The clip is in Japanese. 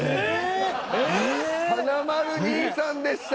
華丸兄さんでした。